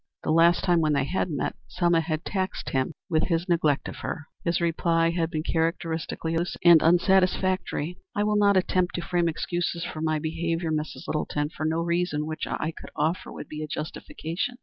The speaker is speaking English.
The last time when they had met, Selma had taxed him with his neglect of her. His reply had been characteristically elusive and unsatisfactory. "I will not attempt to frame excuses for my behavior, Mrs. Littleton, for no reason which I could offer would be a justification."